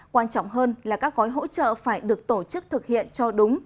quan trọng hơn là các gói hỗ trợ phải được tổ chức thực hiện cho đúng